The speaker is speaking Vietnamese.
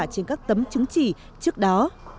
trên các tấm chứng chỉ trước đó